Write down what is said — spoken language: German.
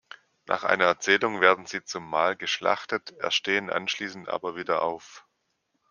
Nach einer Erzählung werden sie zum Mahl geschlachtet, erstehen anschließend aber wieder auf.